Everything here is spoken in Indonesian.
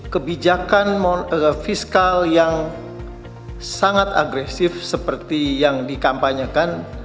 kebijakan fiskal yang sangat agresif seperti yang dikampanyekan